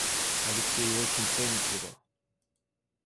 Алексей очень ценит его.